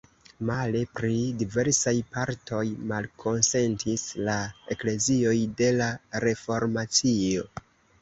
Male, pri diversaj partoj malkonsentis la eklezioj de la Reformacio.